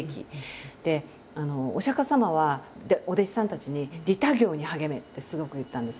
お釈迦様はお弟子さんたちに「利他行に励め」ってすごく言ったんですよ。